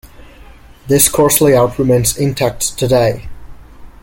This course layout remains intact today.